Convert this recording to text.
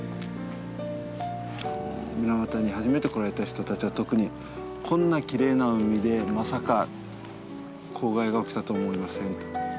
水俣に初めて来られた人たちは特にこんなきれいな海でまさか公害が起きたと思いませんと。